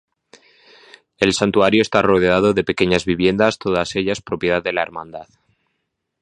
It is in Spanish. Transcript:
El santuario está rodeado de pequeñas viviendas, todas ellas propiedad de la hermandad.